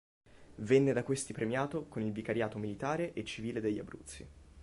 Venne da questi premiato con il vicariato militare e civile degli Abruzzi.